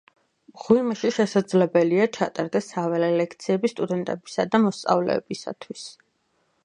მღვიმეში შესაძლებელია ჩატარდეს საველე ლექციები სტუდენტებისა და მოსწავლეებისათვის.